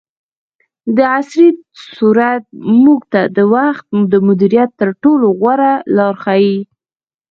دعصري سورت موږ ته د وخت د مدیریت تر ټولو غوره لار ښیي.